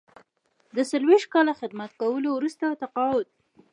د څلویښت کاله خدمت کولو وروسته تقاعد.